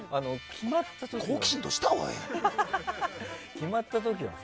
決まった時はさ